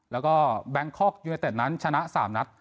แล้วก็แบงคอกยูเนเต็ดนั้นชนะ๓นัด